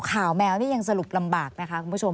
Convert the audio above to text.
แมวนี่ยังสรุปลำบากนะคะคุณผู้ชม